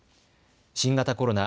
新型コロナ。